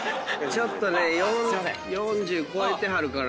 ちょっとね４０超えてはるからな。